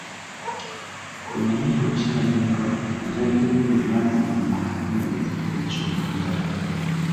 Bwe wali ng‘okyali muto, bazadde bo be bafubanga okukulabira engoye z’oyambala.